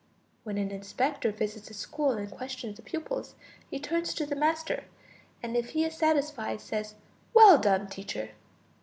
When an inspector visits a school and questions the pupils he turns to the master, and if he is satisfied says: "Well done, teacher!"